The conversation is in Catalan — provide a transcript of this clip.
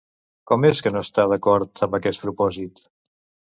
Com és que no està d'acord amb aquest propòsit?